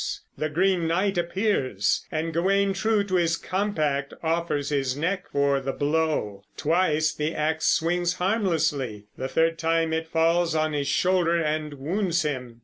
The Green Knight appears, and Gawain, true to his compact, offers his neck for the blow. Twice the ax swings harmlessly; the third time it falls on his shoulder and wounds him.